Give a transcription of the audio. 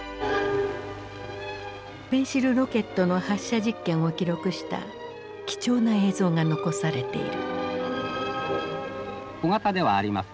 ペンシルロケットの発射実験を記録した貴重な映像が残されている。